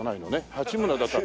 八村だったら。